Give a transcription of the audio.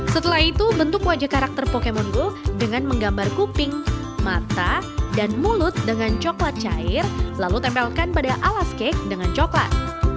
setelah itu bentuk wajah karakter pokemon go dengan menggambar kuping mata dan mulut dengan coklat cair lalu tempelkan pada alas cake dengan coklat